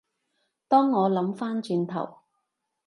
當我諗返轉頭